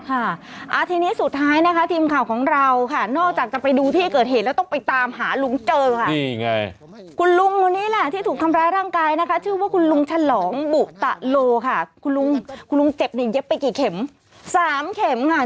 ค่ะอ่าทีนี้สุดท้ายนะคะทีมข่าวของเราค่ะนอกจากจะไปดูที่เกิดเหตุแล้วต้องไปตามหาลุงเจอค่ะ